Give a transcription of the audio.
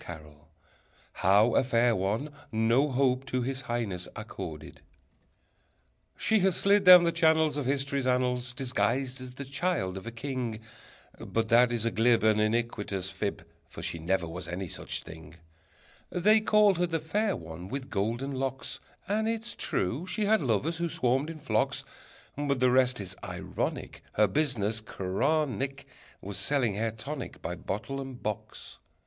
_] How a Fair One no Hope to His Highness Accorded She has slid down the channels Of history's annals Disguised as the child of a king, But that is a glib And iniquitous fib, For she never was any such thing: They called her the Fair One with Golden Locks, And it's true she had lovers who swarmed in flocks, But the rest is ironic; Her business chronic Was selling hair tonic By bottle and box!